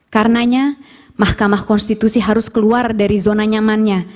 karenanya mahkamah konstitusi harus keluar dari zona nyamannya